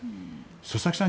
佐々木さん